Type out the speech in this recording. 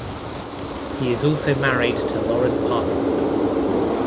He is also married to Lauren Parkinson.